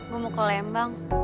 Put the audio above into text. gue mau ke lembang